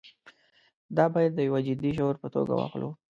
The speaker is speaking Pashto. دا باید د یوه جدي شعور په توګه واخلو.